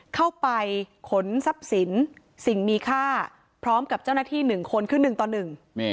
เข้าไปขนทรัพย์สินสิ่งมีค่าพร้อมกับเจ้าหน้าที่หนึ่งคนคือหนึ่งต่อหนึ่ง